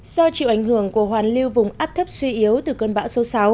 do chịu ảnh hưởng của hoàn lưu vùng áp thấp suy yếu từ cơn bão số sáu